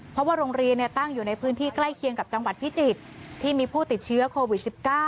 เพราะว่าโรงเรียนตั้งอยู่ในพื้นที่ใกล้เคียงกับจังหวัดพิจิตรที่มีผู้ติดเชื้อโควิด๑๙